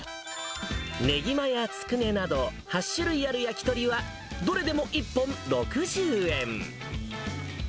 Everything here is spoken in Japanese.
ねぎまやつくねなど、８種類ある焼き鳥は、どれでも１本６０円。